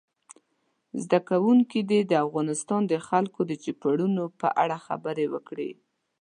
زده کوونکي دې د افغانستان د خلکو د چوپړونو په اړه خبرې وکړي.